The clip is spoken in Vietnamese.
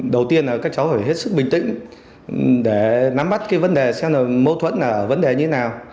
đầu tiên là các cháu phải hết sức bình tĩnh để nắm bắt cái vấn đề xem là mâu thuẫn là vấn đề như thế nào